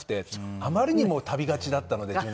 あまりにも旅がちだったので純烈が。